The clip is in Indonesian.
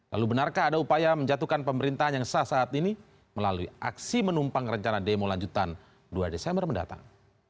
lalu benarkah ada upaya menjatuhkan pemerintahan yang sah saat ini melalui aksi menumpang rencana demo lanjutan dua desember mendatang